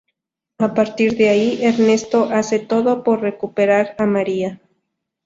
A partir de ahí, Ernesto hace todo por recuperar a María.